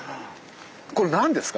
これ何ですか？